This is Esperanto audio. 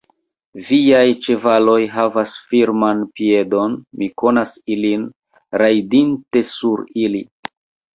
Viaj ĉevaloj havas firman piedon; mi konas ilin, rajdinte sur ili.